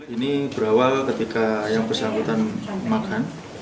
ini berawal ketika yang bersangkutan makan